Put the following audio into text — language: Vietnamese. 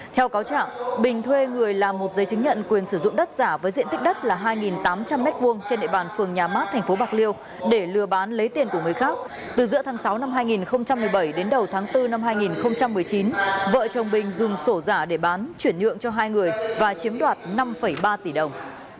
theo cáo trạng bình thuê người làm một giấy chứng nhận quyền sử dụng đất giả với diện tích đất là hai tám trăm linh m hai trên địa bàn phường nhà mát tp bạc liêu để lừa bán lấy tiền của người khác từ giữa tháng sáu năm hai nghìn một mươi bảy đến đầu tháng bốn năm hai nghìn một mươi chín vợ chồng bình dùng sổ giả để bán chuyển nhượng cho hai người và chiếm đoạt năm ba tỷ đồng